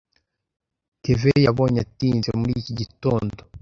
Kevin yabonye atinze muri iki gitondo.